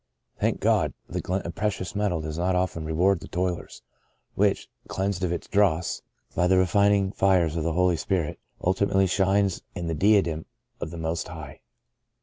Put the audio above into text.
Thank God, the glint of precious metal does often reward the toil ers, which, cleansed of its dross by the refin 56 The Breaking of the Bread ing fires of the Holy Spirit, ultimately shines in the diadem of the Most High.